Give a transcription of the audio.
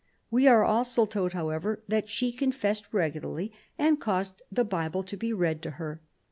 We are also told, however, that she confessed regularly and caused the, Bible to be read to her.